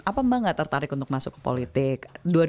apa mbak gak tertarik untuk masuk ke politik